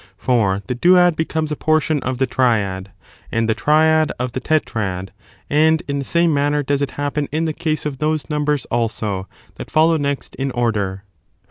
For the duad becomes a generation portion of the triad, and the triad of the tetrad ; aSTftomunSy. ^^^^^ *^6 Same manner does it happen in the case of those numbers, also, that follow next in order.